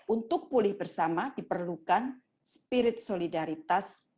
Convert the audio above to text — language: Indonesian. untuk pulih bersama diperlukan spirit solidaritas